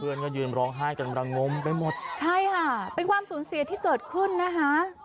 เพื่อนก็ยืนร้องไห้กันระงมไปหมดใช่ค่ะเป็นความสูญเสียที่เกิดขึ้นนะคะ